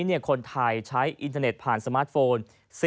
คนไทยใช้อินเทอร์เน็ตผ่านสมาร์ทโฟน